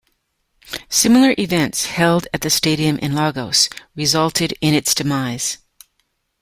Similar events held at the Stadium in Lagos resulted in its demise.